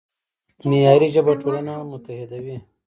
معیاري ژبه ټولنه متحدوي.